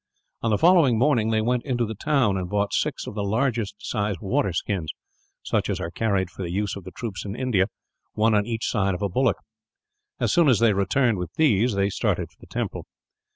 On the following morning, they went into the town and bought six of the largest sized water skins such as are carried for the use of the troops in India, one on each side of a bullock. As soon as they returned with these, they started for the temple.